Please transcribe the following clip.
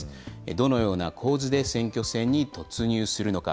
どのような構図で選挙戦に突入するのか。